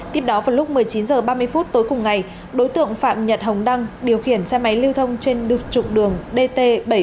tiếp đó vào lúc một mươi chín h ba mươi phút tối cùng ngày đối tượng phạm nhật hồng đăng điều khiển xe máy lưu thông trên trục đường dt bảy trăm bốn mươi